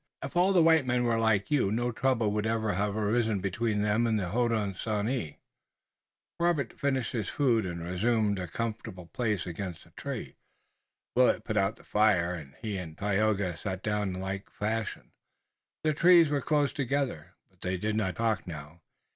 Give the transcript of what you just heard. If all the white men were like you no trouble would ever arise between them and the Hodenosaunee." Robert finished his food and resumed a comfortable place against a tree. Willet put out the fire and he and Tayoga sat down in like fashion. Their trees were close together, but they did not talk now.